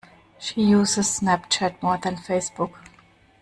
She uses SnapChat more than Facebook